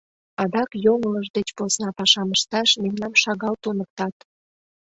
Адак йоҥылыш деч посна пашам ышташ мемнам шагал туныктат.